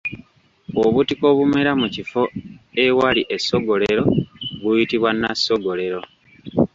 Obutiko obumera mu kifo ewali essogolero buyitibwa nnassogolero.